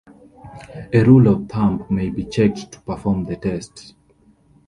A rule-of-thumb may be checked to perform the test.